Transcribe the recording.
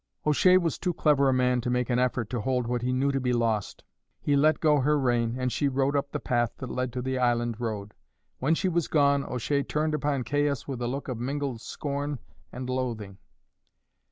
O'Shea was too clever a man to make an effort to hold what he knew to be lost; he let go her rein, and she rode up the path that led to the island road. When she was gone O'Shea turned upon Caius with a look of mingled scorn and loathing.